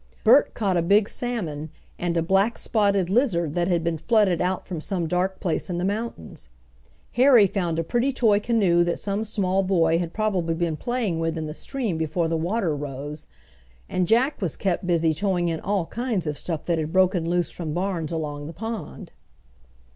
Bert caught a big salmon and a black spotted lizard that had been flooded out from some dark place in the mountains, Harry found a pretty toy canoe that some small boy had probably been playing with in the stream before the water rose, and Jack was kept busy towing in all kinds of stuff that had broken loose from barns along the pond.